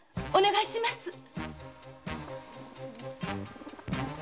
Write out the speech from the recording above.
お願いします！